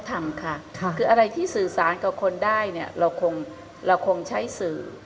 ทำค่ะคืออะไรที่สื่อสารกับคนได้เนี่ยเราคงเราคงใช้สื่อ